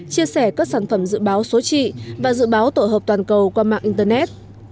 chia sẻ các sản phẩm dự báo số trị và dự báo tổ hợp toàn cầu qua mạng internet